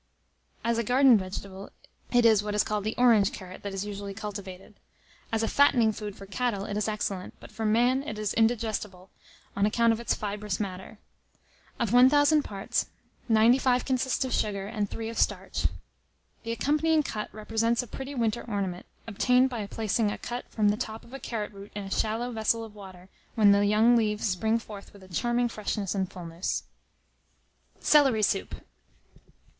As a garden vegetable, it is what is called the orange carrot that is usually cultivated. As a fattening food for cattle, it is excellent; but for man it is indigestible, on account of its fibrous matter. Of 1,000 parts, 95 consist of sugar, and 3 of starch. The accompanying cut represents a pretty winter ornament, obtained by placing a cut from the top of the carrot root in a shallow vessel of water, when the young leaves spring forth with a charming freshness and fullness. CELERY SOUP.